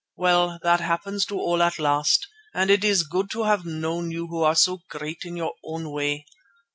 Well, that happens to all at last, and it is good to have known you who are so great in your own way.